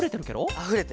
あふれてる。